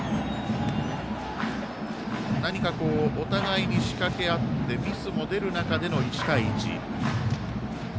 何か、お互いに仕掛けあってミスも出る中での１対１。